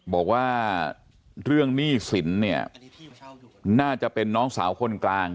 บอกว่าเรื่องหนี้สินเนี่ยน่าจะเป็นน้องสาวคนกลาง